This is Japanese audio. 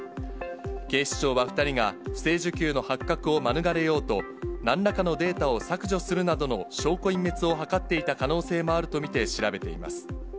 警視庁は２人が、不正受給の発覚を免れようと、なんらかのデータを削除するなどの証拠隠滅を図っていた可能性もあると見て、調べています。